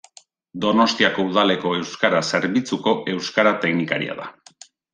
Donostiako Udaleko Euskara Zerbitzuko euskara teknikaria da.